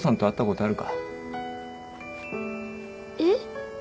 えっ？